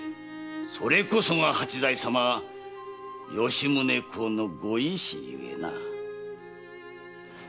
それこそが八代様・吉宗公のご意志ゆえな。